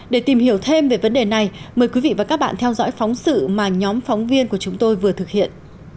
để tìm hiểu thêm về vấn đề này mời quý vị và các bạn theo dõi phóng sự mà nhóm phóng viên của chúng tôi vừa thực hiện